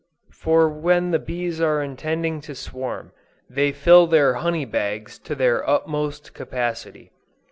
For when the bees are intending to swarm, they fill their honey bags to their utmost capacity.